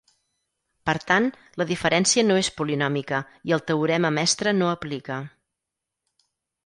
Per tant, la diferència no és polinòmica i el teorema mestre no aplica.